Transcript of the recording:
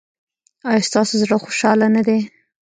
ایا ستاسو زړه خوشحاله نه دی؟